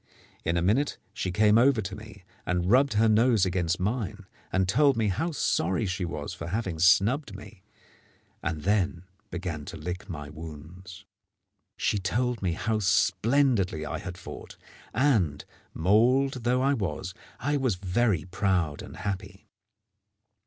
In a minute she came over to me and rubbed her nose against mine, and told me how sorry she was for having snubbed me, and then began to lick my wounds. She told me how splendidly I had fought; and, mauled though I was, I was very proud and happy.